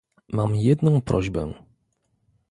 Mam jedną prośbę